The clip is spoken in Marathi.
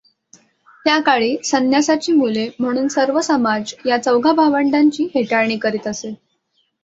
त्या काळी संन्यासाची मुले म्हणून सर्व समाज या चौघा भावंडांची हेटाळणी करीत असे.